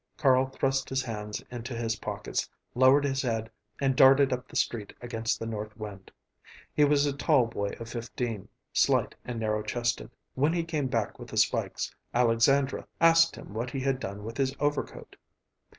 Carl thrust his hands into his pockets, lowered his head, and darted up the street against the north wind. He was a tall boy of fifteen, slight and narrow chested. When he came back with the spikes, Alexandra asked him what he had done with his overcoat.